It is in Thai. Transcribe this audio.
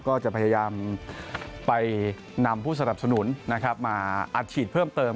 ก็จะพยายามไปนำผู้สนับสนุนมาอัดฉีดเพิ่มเติม